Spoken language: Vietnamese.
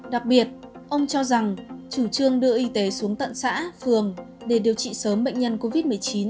đặc biệt ông cho rằng chủ trương đưa y tế xuống tận xã phường để điều trị sớm bệnh nhân covid một mươi chín